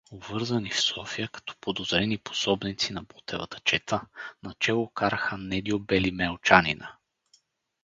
вързани в София, като подозрени пособници на Ботевата чета, начело караха Недю белимелчанина!